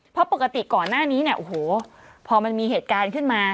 เพราะปกติก่อนหน้านี้เนี่ยโอ้โหพอมันมีเหตุการณ์ขึ้นมา